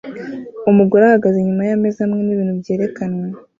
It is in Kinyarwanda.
Umugore ahagaze inyuma yameza hamwe nibintu byerekanwe